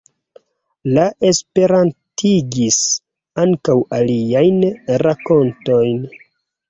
Li esperantigis ankaŭ aliajn rakontojn.